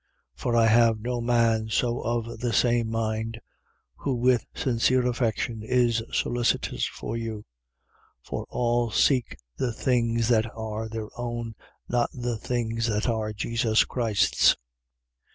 2:20. For I have no man so of the same mind, who with sincere affection is solicitous for you. 2:21. For all seek the things that are their own not the things that are Jesus Christ's.